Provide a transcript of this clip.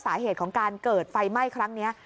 สาเหตุของการเกิดไฟไหม้ครั้งนี้